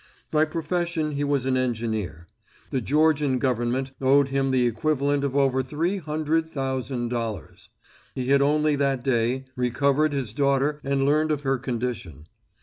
By profession he was an engineer. The Georgian Government owed him the equivalent of over three hundred thousand dollars. He had only that day recovered his daughter and learnt of her condition.